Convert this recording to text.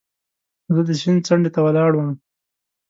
زه د سیند څنډې ته ولاړ وم.